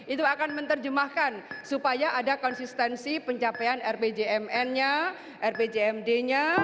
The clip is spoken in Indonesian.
itu akan menerjemahkan supaya ada konsistensi pencapaian rpjmn nya rpjmd nya